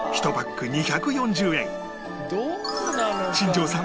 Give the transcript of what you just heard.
新庄さん